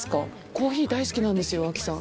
コーヒー大好きなんですよあきさん。